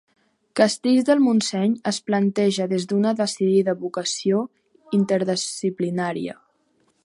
Castells del Montseny es planteja des d'una decidida vocació interdisciplinària.